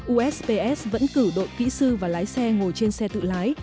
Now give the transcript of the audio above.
usps vẫn cử đội kỹ sư và lái xe ngồi trên xe tự lái